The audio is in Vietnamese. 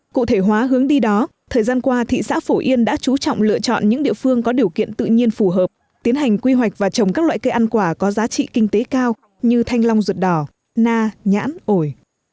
cụ thể hóa hướng đi đó thời gian qua thị xã phổ yên đã chú trọng lựa chọn những địa phương có điều kiện tự nhiên phù hợp tiến hành quy hoạch và trồng các loại cây ăn quả có giá trị kinh tế cao như thanh long ruột đỏ na nhãn ổi